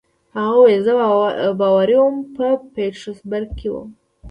هغه وویل: زه باوري وم، په پیټسبرګ کې ووم.